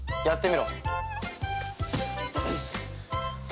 やってみろ。